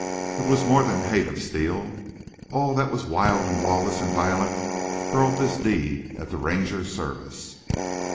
It was more than hate of Steele. All that was wild and lawless and violent hurled this deed at the Ranger Service.